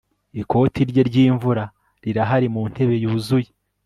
Ikoti rye ryimvura rirahari mu ntebe yuzuye